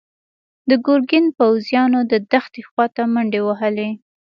د ګرګين پوځيانو د دښتې خواته منډې وهلي.